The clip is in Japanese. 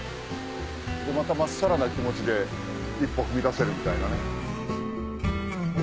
また真っさらな気持ちで一歩踏み出せるみたいなね。